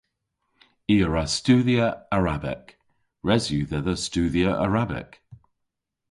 I a wra studhya Arabek. Res yw dhedha studhya Arabek.